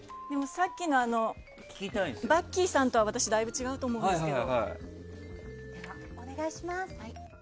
さっきのバッキーさんとは私、だいぶ違うと思うんですけど。